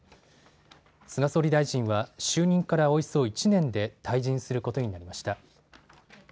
菅総理大臣は就任からおよそ１年で退陣することになりました。